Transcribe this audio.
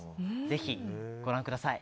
ぜひ、ご覧ください。